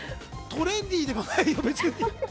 トレンディーでもないよ別に。